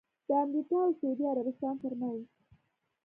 د امریکا اوسعودي عربستان ترمنځ